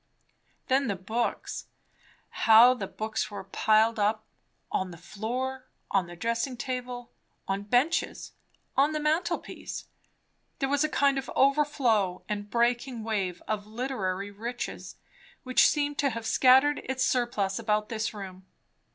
Then the books. How the books were piled up, on the floor, on the dressing table, on benches, on the mantelpiece; there was a kind of overflow and breaking wave of literary riches which seemed to have scattered its surplus about this room.